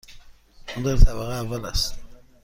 آن در طبقه اول است.